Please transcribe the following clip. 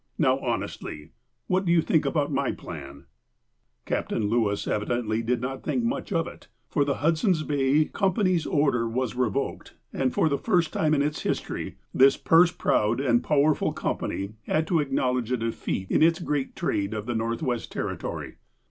Now, honestly, what do you think about my plan ?" Captain Lewis evidently did not think much of it, for the Hudson's Bay Company's order was revoked, and, for the first time in its history, this purse proud and power 'ill Company had to acknowledge a defeat in its great trade of the Northwest Territory.